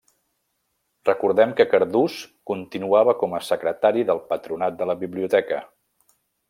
Recordem que Cardús continuava com a secretari del Patronat de la Biblioteca.